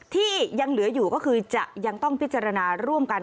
ที่ยังเหลืออยู่ก็คือจะยังต้องพิจารณาร่วมกัน